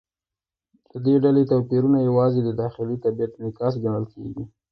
د دې ډلې توپیرونه یوازې د داخلي طبیعت انعکاس ګڼل کېږي.